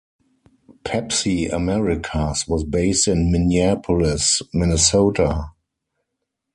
PepsiAmericas was based in Minneapolis, Minnesota.